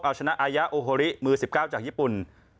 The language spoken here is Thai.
เอาชนะอายะโอโฮริมือ๑๙จากญี่ปุ่น